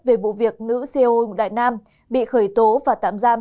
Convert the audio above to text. về vụ việc nữ ceo một đại nam bị khởi tố và tạm giam